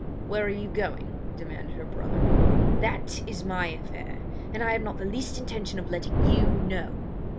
"Where are you going?" demanded her brother. "That is my affair! and I have not the least intention of letting you know!"